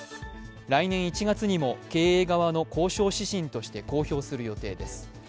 来年１月にも、経営側の交渉指針として公表する予定です。